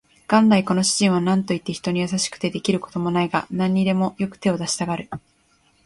元来この主人は何といって人に優れて出来る事もないが、何にでもよく手を出したがる